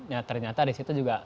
ya ternyata di situ juga